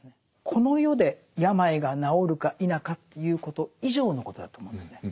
この世で病が治るか否かということ以上のことだと思うんですね。